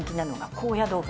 高野豆腐？